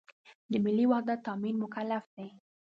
د ملي وحدت تأمین مکلف دی.